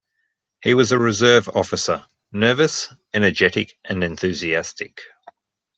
He was a reserve officer, nervous, energetic, and enthusiastic.